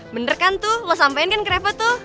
bener kan tuh lo sampein kan ke reva tuh